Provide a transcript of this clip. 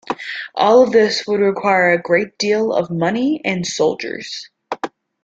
All of this would require a great deal of money and soldiers.